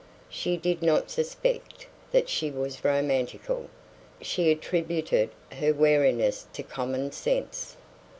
She did not suspect that she was romantical. She attributed her wariness to common sense.